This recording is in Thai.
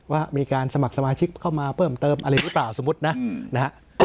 ว่ามีการสมัครสมาชิกเข้ามาเพิ่มเติมอะไรหรือเปล่าสมมุตินะนะฮะ